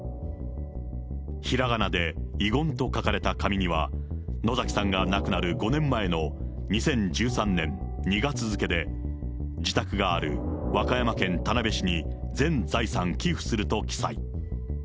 ひらがなでいごんと書かれた紙には、野崎さんが亡くなる５年前の２０１３年２月付で、自宅がある和歌山県田辺市に全財産寄付すると記載。